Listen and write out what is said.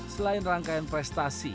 selain rangkaian prestasi